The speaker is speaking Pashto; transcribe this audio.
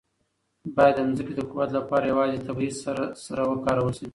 باید د ځمکې د قوت لپاره یوازې طبیعي سره وکارول شي.